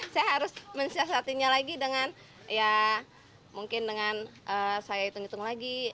saya harus mensiasatinya lagi dengan ya mungkin dengan saya hitung hitung lagi